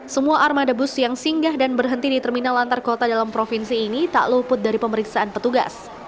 semua armada bus yang singgah dan berhenti di terminal antar kota dalam provinsi ini tak luput dari pemeriksaan petugas